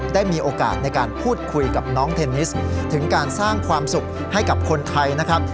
ได้มีโอกาสในการพูดคุยกับน้องเทนนิสถึงการสร้างความสุขให้กับคนไทยนะครับ